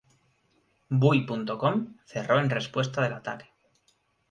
Buy.com cerró en respuesta del ataque.